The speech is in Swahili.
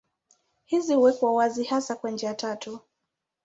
Hizi huwekwa wazi hasa kwa njia tatu.